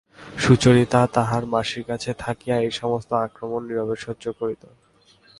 সুচরিতা তাহার মাসির কাছে থাকিয়া এ-সমস্ত আক্রমণ নীরবে সহ্য করিত।